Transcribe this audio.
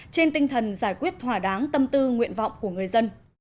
trên tinh thần giải quyết thỏa đáng tâm tư nguyện vọng của người dân